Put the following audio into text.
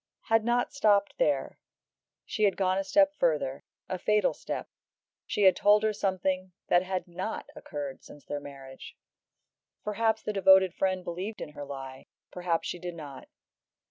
had not stopped there; she had gone a step further, a fatal step; she had told her something that had not occurred since their marriage. Perhaps the devoted friend believed in her lie, perhaps she did not.